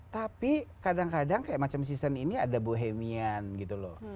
tapi kadang kadang kayak macam season ini ada bohemian gitu loh